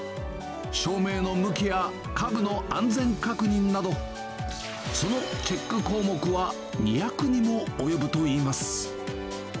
照明の向きや家具の安全確認など、そのチェック項目は２００にも及ぶといいます。